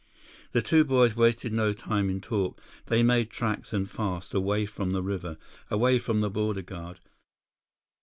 The two boys wasted no time in talk. They made tracks, and fast, away from the river, away from the border guard.